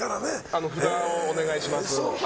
あの、札をお願いします。